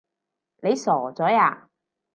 你傻咗呀？